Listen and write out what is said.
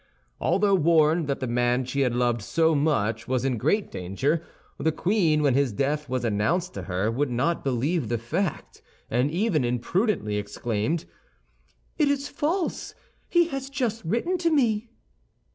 Although warned that the man she had loved so much was in great danger, the queen, when his death was announced to her, would not believe the fact, and even imprudently exclaimed, "it is false; he has just written to me!"